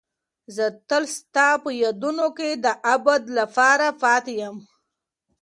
زه تل ستا په یادونو کې د ابد لپاره پاتې یم.